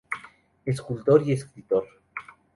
Escultor y escritor.